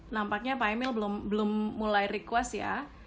nampaknya pak emil belum mulai request ya